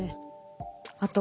あと